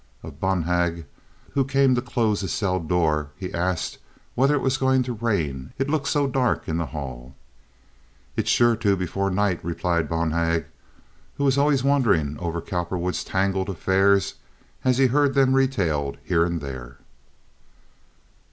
Of Bonhag, who came to close the cell door, he asked whether it was going to rain, it looked so dark in the hall. "It's sure to before night," replied Bonhag, who was always wondering over Cowperwood's tangled affairs as he heard them retailed here and there.